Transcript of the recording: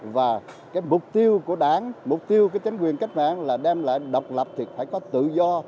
và cái mục tiêu của đảng mục tiêu của chính quyền cách mạng là đem lại độc lập thì phải có tự do